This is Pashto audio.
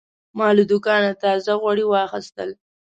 ما له دوکانه تازه غوړي واخیستل.